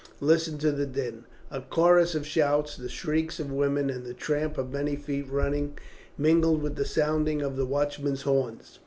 Listen to the din." A chorus of shouts, the shrieks of women, and the tramp of many feet running, mingled with the sounding of the watchmen's horns.